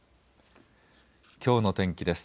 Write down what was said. きょうの天気です。